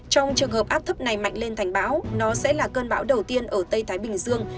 trong trường hợp áp thấp này mạnh lên thành bão nó sẽ là cơn bão đầu tiên ở tây thái bình dương